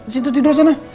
situ tidur sana